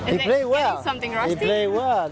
dia main dengan baik